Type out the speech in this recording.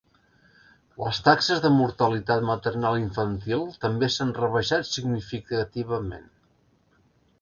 Les taxes de mortalitat maternal i infantil també s'han rebaixat significativament.